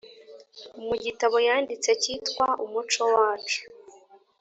mu gitabo yanditse cyitwa umco wacu